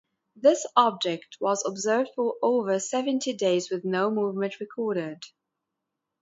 This object was observed for over seventy days with no movement recorded.